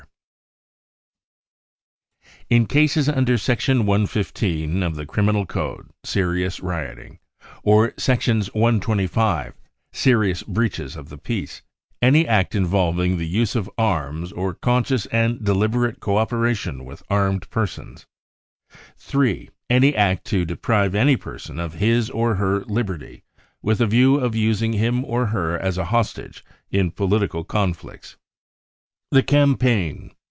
72 BROWN BOOK OF THE HITLjSR TERROR " In cafe under section 1 15 (2) < 5 f the Criminal Code (serious rioting) or section 125 (2) (serious breaches of c the peace), any act involving the use of arms or con scious and deliberate co operation with armed persons, " (3) any act to deprive any person of his or her liberty with a view to using him or her as a hostage in political conflicts. 0 The Campaign.